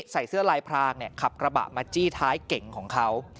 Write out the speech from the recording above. ใส่เสื้อลายพรางขับกระบะมาจี้ท้ายเก่งของเขา